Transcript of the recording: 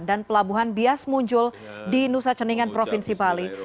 dan pelabuhan bias munjul di nusa ceningan provinsi bali